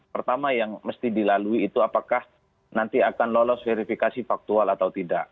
pertama yang mesti dilalui itu apakah nanti akan lolos verifikasi faktual atau tidak